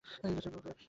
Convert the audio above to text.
এখনো নিশ্বাস নিচ্ছে।